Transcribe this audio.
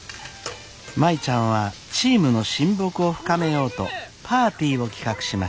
舞ちゃんはチームの親睦を深めようとパーティーを企画しました。